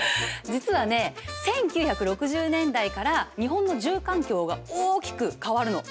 実はね１９６０年代から日本の住環境が大きく変わるの。